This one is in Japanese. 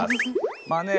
まあね